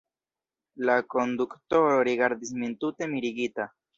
La konduktoro rigardis min tute mirigita.